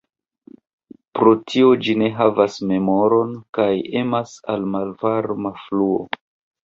Pro tio ĝi ne havas memoron, kaj emas al malvarma fluo.